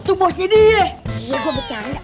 teman seorang eunik